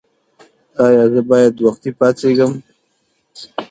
ایا زه باید وختي پاڅیږم؟